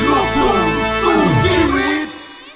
ร่วมร่วมสู่ชีวิต